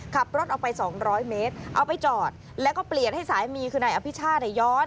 ขับรถออกไป๒๐๐เมตรเอาไปจอดแล้วก็เปลี่ยนให้สามีคือนายอภิชาติย้อน